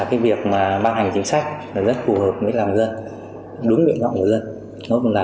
cái việc mà ban hành chính sách là rất phù hợp với làm dân đúng nguyện mọng của dân nó cũng là